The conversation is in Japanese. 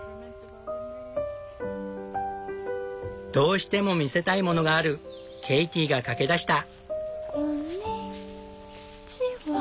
どうしても見せたいものがあるケイティが駆け出した。